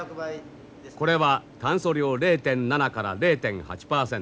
これは炭素量０．７から０．８パーセント。